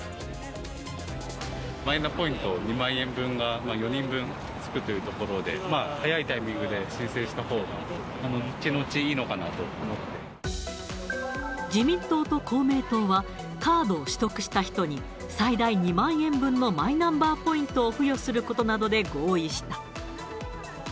マイナポイント２万円分が４人分、つくということで、早いタイミングで申請したほうが、後々いいの自民党と公明党は、カードを取得した人に、最大２万円分のマイナンバーポイントを付与することなどで合意した。